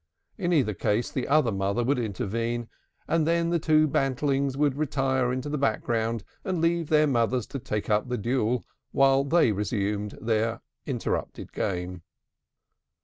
In either case, the other mother would intervene, and then the two bantlings would retire into the background and leave their mothers to take up the duel while they resumed their interrupted game.